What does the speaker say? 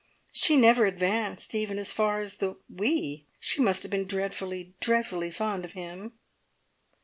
She never advanced even as far as the `we'. She must have been dreadfully, dreadfully fond of him!"